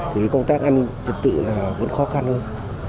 thì công tác an ninh trật tự là vẫn khó khăn hơn